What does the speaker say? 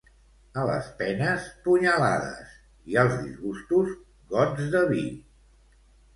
A les penes, punyalades, i als disgustos, gots de vi